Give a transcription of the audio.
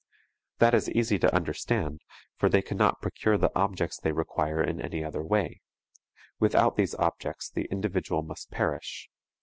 That is easy to understand, for they cannot procure the objects they require in any other way; without these objects the individual must perish.